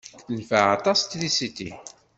Tenfeɛ aṭas trisiti.